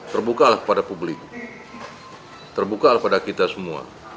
terbuka lah kepada publik terbuka lah kepada kita semua